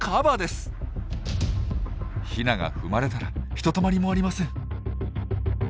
ヒナが踏まれたらひとたまりもありません。